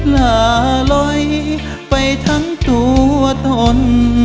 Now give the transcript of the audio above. ลาลอยไปทั้งตัวตน